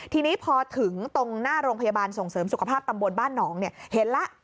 ทีนี้พอถึงตรงหน้าโรงพยาบาลส่งเสริมสุขภาพตำบลบ้านหนองเห็นแล้ว